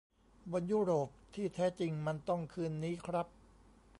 บอลยุโรปที่แท้จริงมันต้องคืนนี้ครับ !